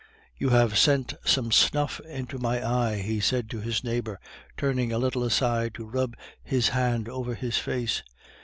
"You have sent some snuff into my eye," he said to his neighbor, turning a little aside to rub his hand over his face.